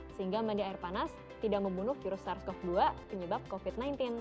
sehingga mandi air panas tidak membunuh virus sars cov dua penyebab covid sembilan belas